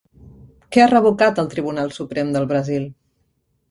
Què ha revocat el Tribunal Suprem del Brasil?